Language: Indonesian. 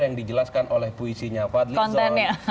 yang dijelaskan oleh puisinya fadli zon